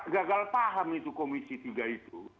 gagal paham itu komisi tiga itu